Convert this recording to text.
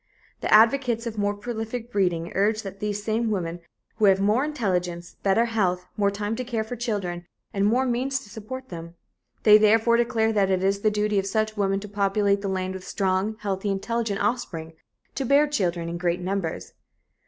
The advocates of more prolific breeding urge that these same women have more intelligence, better health, more time to care for children and more means to support them. They therefore declare that it is the duty of such women to populate the land with strong, healthy, intelligent offspring to bear children in great numbers.